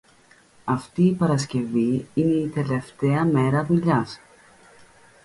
Αυτή η Παρασκευή είναι η τελευταία μου μέρα δουλειάς.